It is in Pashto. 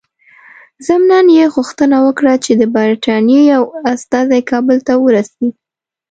ضمناً یې غوښتنه وکړه چې د برټانیې یو استازی کابل ته ورسي.